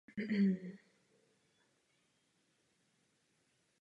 Nakonec se přiznal a rozsudek smrti nad ním byl vykonán v Saskatchewanu.